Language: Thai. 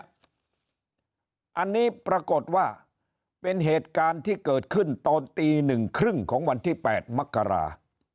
อันนี้ปรากฏว่าเป็นเหตุการณ์ที่เกิดขึ้นตอนตี๑๓๐ของวันที่๘มกรา